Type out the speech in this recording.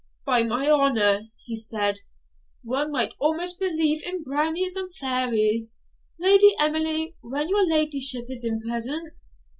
"By my honour," he said, "one might almost believe in brownies and fairies, Lady Emily, when your ladyship is in presence!"